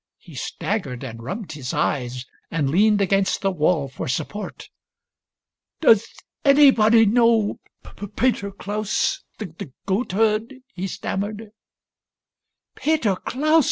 He staggered and rubbed his eyes, and leaned against the wall for support. " Does anybody know Peter Klaus, the goat herd ?" he stammered. " Peter Klaus